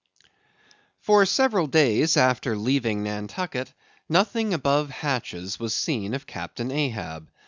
For several days after leaving Nantucket, nothing above hatches was seen of Captain Ahab.